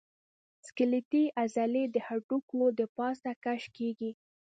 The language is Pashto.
سکلیټي عضلې د هډوکو د پاسه کش کېږي.